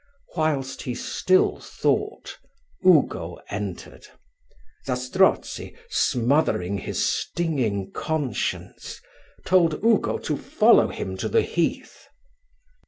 Whilst he still thought, Ugo entered. Zastrozzi, smothering his stinging conscience, told Ugo to follow him to the heath.